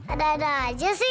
ada ada aja si